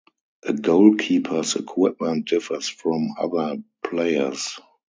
A goalkeeper's equipment differs from other players'.